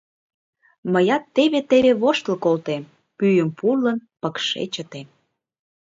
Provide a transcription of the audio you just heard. Мыят теве-теве воштыл колтем, пӱйым пурлын, пыкше чытем.